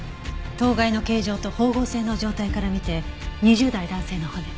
頭蓋の形状と縫合線の状態から見て２０代男性の骨。